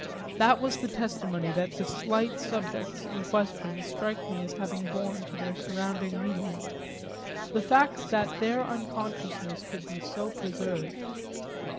That was the testimony that the slight subjects in question strike me as having borne to their surrounding medium the fact that their unconsciousness could be so preserved.